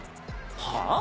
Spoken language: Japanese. はあ？